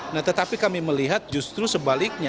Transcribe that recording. nah tetapi kami melihat justru sebaliknya